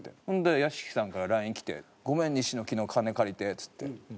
「ほんで屋敷さんからＬＩＮＥ来て“ごめん西野昨日金借りて”っつって」。